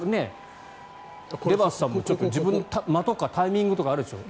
デバースさんも自分の間とかタイミングがあるでしょう。